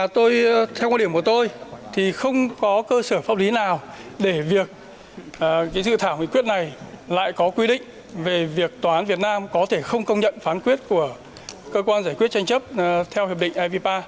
tại sao để việc sự thảo quyết này lại có quy định về việc tòa án việt nam có thể không công nhận phán quyết của cơ quan giải quyết tranh chấp theo hiệp định evipa